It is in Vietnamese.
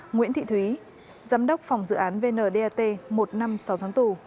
nguyễn thị thúy giám đốc phòng dự án vndat một năm sáu tháng tù